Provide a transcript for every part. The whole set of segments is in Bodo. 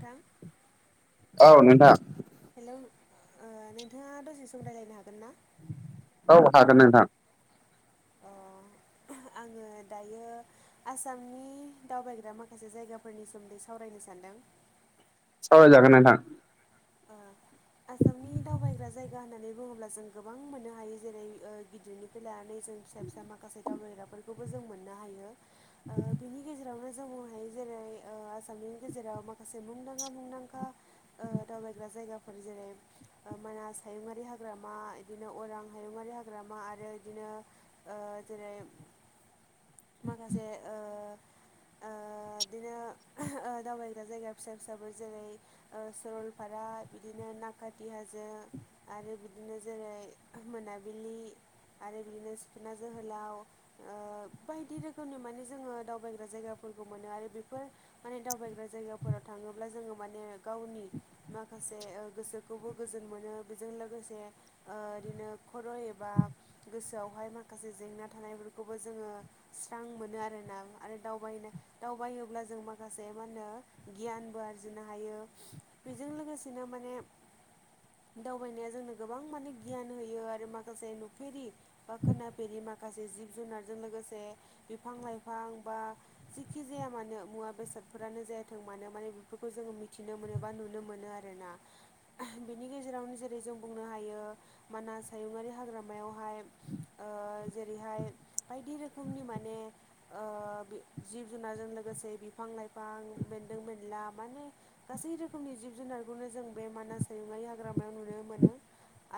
दां। औ नोंथां। हेलौ ओ नोंथाङा दसे सम रायलायनो हागोन ना? औ हागोन नोंथां। अ आङो दायो आसामनि दावबायग्रा माखासे जायगाफोरनि सोमोन्दै सावरायनो सानदों। [inaudible] सावराय जागोन नोंथां। [inaudible] आसामनि दावबायग्रा जायगा होननानै बुङोब्ला जों गोबां मोननो हायो जेरै ओ गिदिरनिफ्राय लानानै जों फिसा फिसा माखासे दावबायग्राफोरखौबो जों मोननो हायो बिनि गेजेरावनो जों हायो जेरै ओ आसामनि गेजेराव माखासे मुंदांखा मुंदांखा ओ दावबायग्रा जायगाफोर जेरै ओ मानास हायुङारि हाग्रामा इदिनो अरां हायुङारि हाग्रामा। मा आरो बिदिनो ओ जेरै माखासे ओ ओ इदिनो दावबायग्रा जायगा फिसा फिसाबो जेरै ओ सरल फारा बिदिनो नागाथि हाजो आरो बिदिनो जेरै मोनाबिलि। आरो बिदिनो सिखना जोहोलाव ओ बायदि रोखोमनि माने जोङो दावबायग्रा जायगाफोर फोरखौ मोनो आरो बेफोर माने दावबायग्रा जायगाफोराव थाङोब्ला जोङो माने गावनि माखासे ओ गोसोखौबो गोजोन मोनो बेजों लोगोसे ओ इदिनो खर' एबा गोसोआवहाय माखासे जेंना थानायफोरखौबो जोङो स्रां मोनो आरोना आरो दावब बायनो दावबायोब्ला जों माखासे मा होनो गियानबो आरजिनो हायो। बेजों लोगोसेनो माने। दावबायनाया जोंनो गोबां माने गियान होयो आरो माखासे नुफेरि बा खोनाफेरि मा माखासे जिब जुनारजों लोगोसे बिफां लाइफां बा जिखि जाया मानो मुवा बेस बेसादफोरानो जायाथों मानो माने बेफोरखौ जोङो मिथिनो मोनो बा नुनो मोनो आरोना। बिनि गेजेरावनो जेरै जों बुंनो हायो मानास हायुंङारि हाग्रामायावहाय ओ जेरैहाय बायदि रोखोमनि माने ओ बा जिब जुनारजों लोग लोगोसे बिफां लाइफां बेन्दों बेनला माने गासै रोखोम रोखोमनि जिब जुनारखौनो जों बे मानास हायुंयारि हाग्रामायाव नुनो मोनो।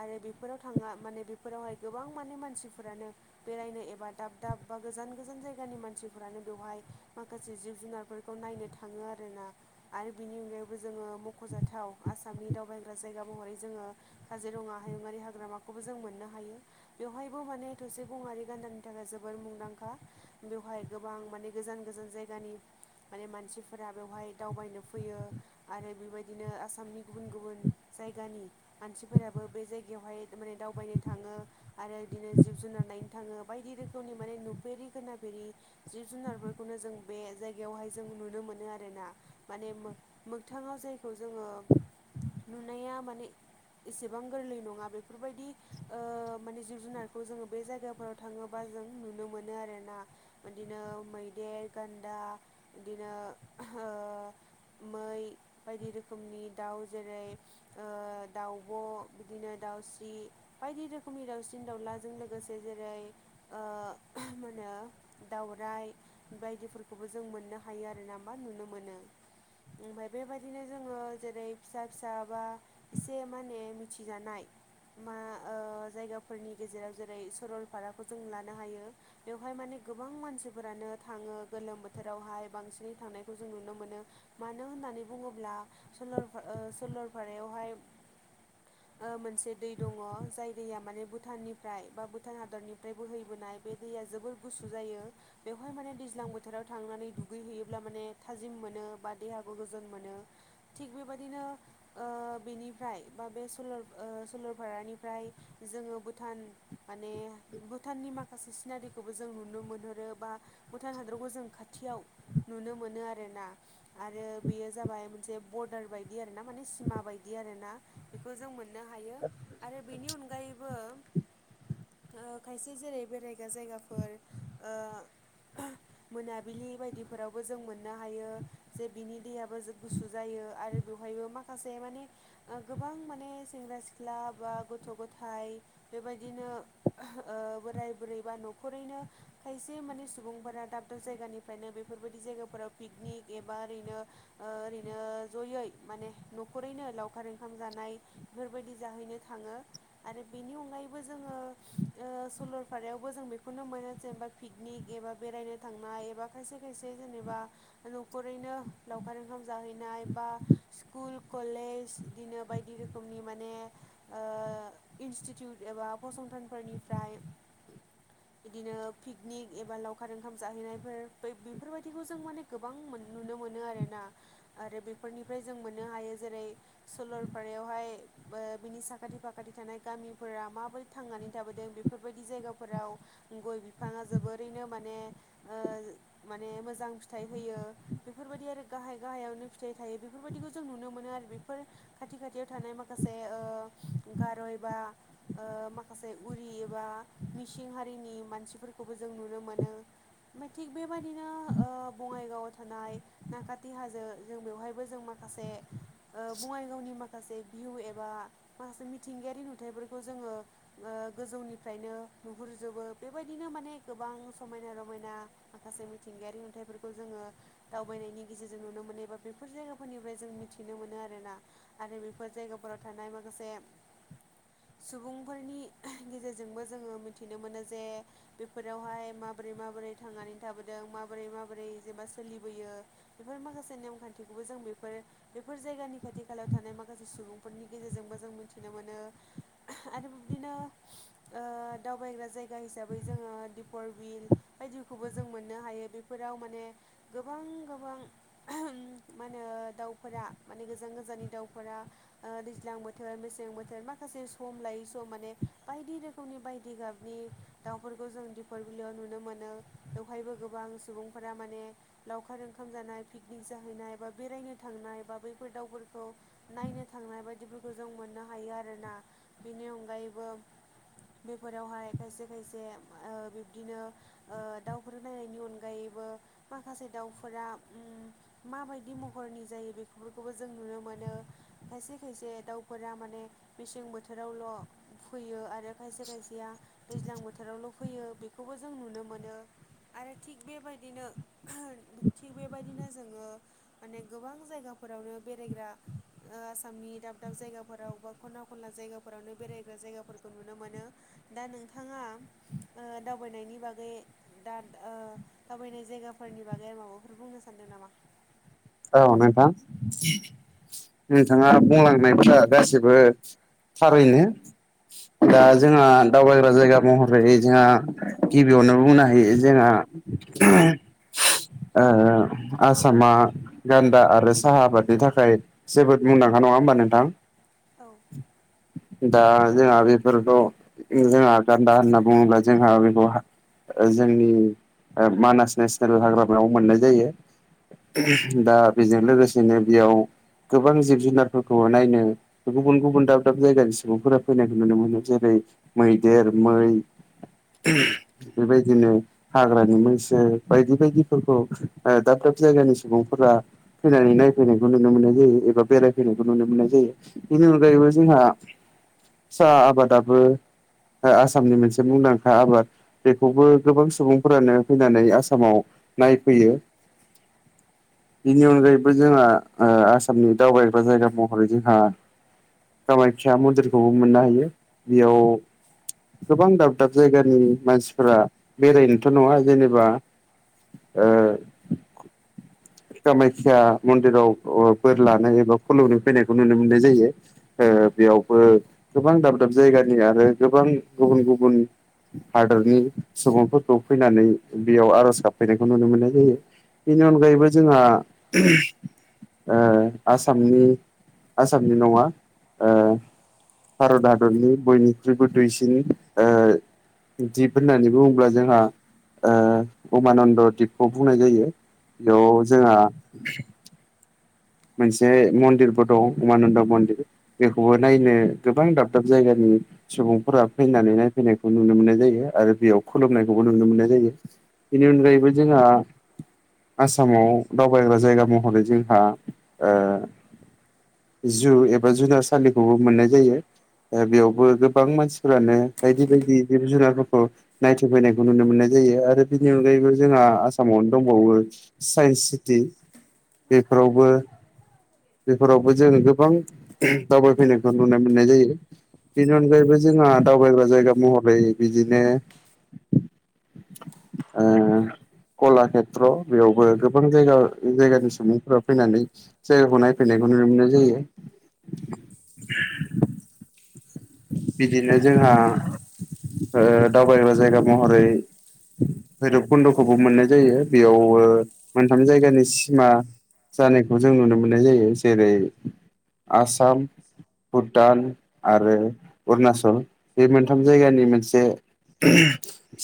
आरो बेफोराव थाङा माने बेफोरावहाय गोबां माने मानसिफोरानो बेरायनो एबा दाब दाब बा गोजान गोजान जायगानि मानसिफोरानो बेवहाय माखासे जिब जुनारफोरखौ नायनो थाङो आरोना। आरो बिनि अन जोङो मख'जाथाव आसामनि दावबायग्रा जायगा महरै जोङो काजिरङा हायुङारि हाग्रामाखौ खौबो जों मोननो हायो बेवहायबो माने थसे गङरि गान्दानि थाखाय जोबोर मुंदांखा बेहाय बेवहाय गोबां माने गोजान गोजान जायगानि माने मानसिफोरा बेवहाय दावबायनो फैयो। आरो बेबायदिनो आसामनि गुबुन गुबुन जायगानि मानसिफोराबो बे जायगायावहाय माने दावबायनो थाङो आरो बिदिनो जिब जुनार नायनो थाङो बायदि रोखोमनि माने नुफेरि खोनाफेरि जिब जुनारफोरखौनो जों बे जायगायावहाय जों नुनो मोनो आरोना माने मोगथाङाव जायखौ जोङो नुनाया माने एसेबां गोरलै नङा बेफोरबायदि ओ माने जिब जुनारखौ जोङो बे जायगाफोराव थाङोबा जों नुनो मोनो आरोना बिदिनो मैदेर गान्दा बिदिनो ओ मै बायदि रोखोमनि दाउ जेरै ओ दाउब' बिदिनो दाउ दाउस्रि बायदि रोखोमनि दाउसिनि दाउलाजों लोगोसे जेरै ओ मा होनो? दाावराइ बायदिफोरखौबो जों मोननो हायो आरो ना मा नुनो मोनो। ओमफ्राय बेबायदिनो जोङो जेरै फिसा फिसा बा एसे माने मिथिजानाय मा ओ जायगाफोरनि गेजेराव जेरै सरलपाराखौ जों लानो हायो बेवहाय माने गोबां मानसिफोरानो थाङो गोलोम बोथोरावहाय बांसिनै थांनायखौ जों नुनो मोनो। मानो होननानै बुङोब्ला सरलफारायावहाय ओ मोनसे दै दङ जाय दैया माने भुटाननिफ्राय बा भुटान हादरनिफ्राय बोहैैबोनाय बे दैया जोबोर गुुसु जायो बेवहाय माने दैज्लां बोथोराव थांनानै दुैयोब्ला माने थाजिम मोनो बा देहाखौ गोजोन मोनो थिग बेबायदिनो ओ बेनिफ्राय बा बे सलार सरलपारानिफ्राय जोङो भुटान माने भुटाननि माखासे सिनारिखौबो जों जों नुनो मोनहरो बा भुटान हादरखौ जों खाथियाव नुनो मोनो आरोना। आरो बेयो जाबाय मोनसे बरदार बायदि आरोना माने सिमा बायदि आरोना बेखौ जों मोन ननो हायो आरो बेनि अनगायैबो खायसे जेरै बेरायग्रा जायगाफोर ओ मोनाबिलि बायदिफोरावबो जों मोननो हायो जे बिनि दैयाबो जे गुसु जायो आरो बेवहायबो माखासे माने गोबां माने जों सेंग्रा सिख्ला बा गथ' गथाय बेबादिनो ओ बोराय बुरै बा न'खर जोरैनो खायसे माने सुबुंफोरा दाब दाब जायगानिफ्रायनो बेफोरबायदि जायगाफोराव पिकनिक एबा ओरैनो ओ ओरैनो जयै माने न'खरैनो लावखार ओंखाम जानाय बेफोरबायदि जाहैनो थाङो आरो बेनि अनगायैबो जोङो ओ सरलपारायावबो जों बेखौनो मोनो जेनेबा पिकनिक एबा बेरायनो थांनाय एबा खायसे खायसे जेनेबा न'खरैनो लावखार ओंखाम जाहैनाय बा स्कुल कलेज बिदिनो बायदि रोखोमनि माने ओ इनसटिटिउट एबा फसंथानफोरनिफ्राय [inaudible] बिदिनो पिकनिक एबा लावखार ओंखाम जाहैनायफोर बेफोरबायदिखौ जों माने गोबां नुनो मोनो आरोना आरो बेफोरनिफ्राय जों मोननो हायो जेरै सलरपारा बेवहाय ओ बिनि साखाथि फाखाथि थानाय गामिफोरा माबोरै थांनानै थाबोदों बेफोरबायदि जायगा फोराव गय बिफाङा जोबोरैनो माने ओ माने मोजां फिथाइ होयो बेफोरबायदि आरो गाहाय गाहायावनो फिथाइ थायो बेफोरबायदिखौ जों नुनो मोनो आरो बेफोर खाथि खाथि खाथियाव थानाय माखासे ओ गार' एबा ओ माखासे उरि एबा मिसिं हारिनि मानसिफोरखौबो जों नुनो मोनो ओमफ्राय थिग बेबायदिनो ओ बङाइगावआव थानाय नकाथि हाजो जों बेवहायबो जों माखासे ओ बङाइगावनि मा माखासे भिउ एबा माखासे मिथिंगायारि नुथायाइफोरखौ जोङो ओ गोजौनिफ्रायनो नुहुरजोबो बेबायदिनो माने गोबां समायना रमायना माखासे मिथिंगायारि नुथाइफोर जोङो दावबायनायनि गेजेरजों नुनो मोनो एबा बेफोर जायगाफोरनिफ्राय जों मिथिनो मोनो आरोना आरो बेफोर जायगाफोराव थानाय माखासे सुबुंफोरनि गेजेरजोंबो जोङो मिथिनो मोनो जे बेफोरावहाय माबा माबोरै माबोरै थांनानै थाबोदों माबोरै मा बोरै जेनबा सोलिबोयो बेफोर माखासे नेमखानथिखौबो जों बेफोर बेफोर जायगानि खाथि खाला थानाय माखासे सुबुंफोरनि गेजेरजोंबो जों मिथिनो मोनो आरो बिबदिनो ओ ओ दावबायग्रा जायगा हिसाबै जोङो दिपर बिल बायदिखौबो जों मोननो हायो बे फोराव माने गोबां गोबां मा होनो दाउफोरा माने गोजान दाउफोरा ओ दैज्लां बोथोर मेसें बोथोर माखासे सम लायै सम माने बायदिरो खोमनि बायदि गाबनि दाउफोरखौ जों दिपरबिलियाव नुनो मोनो बेवहायबो गोबां सुबुंफोरा माने लावखार ओंखाम जानाय पिकनिक जाहैनाय बा बेरायनो थांनाय बा बैफोर दावफोर खौ नायनो थांनाय बायदिफोरखौ जों मोननो हायो आरोना बेनि अनगायैबो बेफोरावहाय खायसे खायसे ओ बिबदिनो ओ दाउफोर नायनायनि अन गायैबो माखासे दाउफोरा माबायदि महरनि जायो बेफोरखौबो जों नुनो मोनो खायसे खायसे दाउफोरा माने मेसें बोथोरावल' फैयो आरो आरो खायसे खायसेया दैज्लां बोथोरावल' फैयो बेखौबो जों नुनो मोनो आरो थिग बेबायदिनो थिग बेबायदिनो जोङो माने गोबां जायगाफोरावनो बेरायग्रा ओ आसामनि दाब दाब जायगाफोराव बा खना खनला जायगाफोरावनो बेरायग्रा जायगाफोरखौ नुनो मोनो दा नोंथाङा ओ दावबायनायनि बागै दा ओ दावबायनाय जायगाफोरनि बागै आरो माबाफोर बुंनो सानदों नामा? औ नोंथां नोंथाङा बुंलांनायफ्रा गासैबो थारैनो दा जोंहा दावबायग्रा जायगा महरै जोंहा गिबियावनो बुंनो हायो जोंहा [unintelligible] ओ आसामा गानदा आरो साहा आबादनि थाखाय जोबोद मुंदांखा नङा होमबा नोंथां? औ दा जोंहा बेफोरखौ जोंहा गानदा होनना बुङोब्ला जोंहा बेखौ ओ जोंनि ओ मानास नेसनेल हाग्रामायाव मोननाय जायो दा बेजों लोगोसेनो बेयाव गोबां जिब जुनारफोरखौ नायनो गुबुन गुबुन दाब दाब जायगानि सुबुंफोरा फैनायखौ नुनो मोनो जेरै मैदेर मै बेबायदिनो हाग्रानि मैसो बायदि बायदिफोरखौ आ दाब दाब जायगानि सुबुंफोरा फैनानै नायफैनायखौ नुनो मोननाय जायो एबा बेरायफैनायखौ नुनो मोननाय जायो बेनि अनगायैबो जोंहा साहा आबादाबो आ-आसामनि मोनसे मुंदांखा आबाद बेखौबो गोबां सुबुंफोरानो फैनानै आसामाव नायफैयो [inaudible] बेनि अनगायैबो जोंहा ओ आसामनि दावबायग्रा जायगा महरै जोंहा खामायक्या मनदिरखौबो मोननो हायो बेयाव गोबां दाब दाब जायगानि मानसिफोरा बेरायनोथ' नङा जेनेबा ओ कामाख्या मनदिराव ओ बोर लानो एबा खुलुमनो फैनायखौ नुनो मोननाय जायो ओ ओ बेयावबो गोबां दाब दाब जायगानि आरो गोबां गुबुन गुबुन हादरनि सुबुंफोरखौ फैनानै बेयाव आर'ज गाबफैनायखौ नुनो मोननाय जायो बेनि औ अनगायैबो जोंहा ओम ओ आसामनि आसामनि नङा ओ भारत हादरनि बयनिख्रुइबो दुइसिन ओ दिप होननानै बुङोब्ला जोंहा ओ उमानन्द' दिपखौ बुंनाय जायो बेयाव‌ उम जोंङा मोनसे मनदिरबो दं उमानन्द' मनदिर बेखौबो नायनो गोबां दाब दाब जायगानि सुबुंफोरा फैनानै नायफैनायखौ नुनो मोननाय जायो आरो बेयाव खुलुमनायखौबो नुनो मोननाय जायो बेनि अनगायैबो जोंहा आसामाव दावबायग्रा जायगा महरै जोंहा ओ जु एबा जुनारसाालिखौबो मोननाय जायो बेयावबो गोबां मानसि फोरानो बायदि बायदि जिब जुनार फोरखौ नायथिं फैनायखौ नुनो मोननाय जायो आरो बिनि अनगायैबो जोंहा आसामावनो दंबावो साइन्स सिटि बेफोरावबो [inaudible] बेफोरावबो जों गोबां ओम दावबायफैनायखौ नुनो मोननाय जायो बेनि अनगायैबो जोंहा दावबायग्रा जायगा महरै बिदिनो [inaudible] कलाक्षेत्र बेयावबो गोबां जायगा जायगानि सुबुंफोरा फैनानै जायगाखौ नायफैनायखौ नुनो मोननाय जायो [inaudible] बिदिनो जोंहा ओ दावबायग्रा जायगा महरै भैरब खुन्द'खौबो मोननाय जायो बेयाव ओ मोनथाम जायगानि सिमा जानायखौ जों नुनो मोननाय जायो जेरै आसाम भुटान आरो अरुनाचल बे मोनथाम जायगानि मोनसे ओम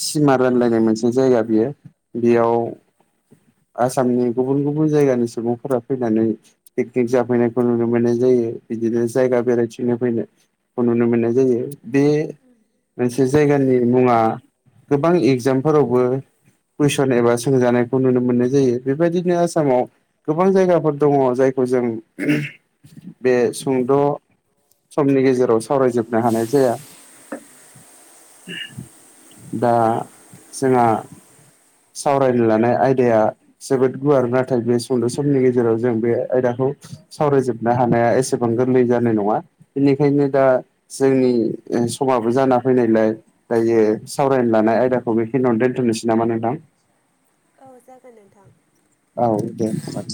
सिमा रानलायनाय मोनसे जायगा बियो बेयाव आसामनि गुबुन गुबुन जायगानि सुबुंफोरा फैनानै पिकनिक जाफैनायखौ नुनो मोननाय जायो बिदिनो जायगा बेरायथिंनो फैनाय नुनो मोननाय जायो बे मोनसे जायगा नि मुङा गोबां एगजामफोरावबो कुइसन एबा सोंजानायखौ नुनो मोननाय जायो बेबायदिनो आसामाव गोबां जायगा फोर दङ जायखौ जों ओम बे सुंद' समनि गेजेराव सावरायजोबनो हानाय जाया। दा जोंहा सावरायनो लानाय आयदाया जोबोद गुवार नाथाय बे सुंद' समनि गेजे गेजेराव जों बे आयदाखौ सावरायजोबनो हानाया एसेबां गोरलै जानाय नङा बेनिखायनो दा जोंनि समाबो जाना फैनायलाय दायो सावरायनो लानाय आयदाखौ बेखिनि यावनो दोनथ'नोसै नामा नोंथां? औ जागोन नोंथां। औ दे होमबा।